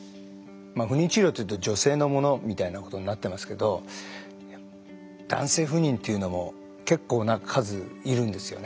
不妊治療というと女性のものみたいなことになってますけど男性不妊というのも結構な数いるんですよね。